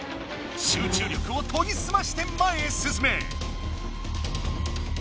集中力をとぎすまして前へ進め！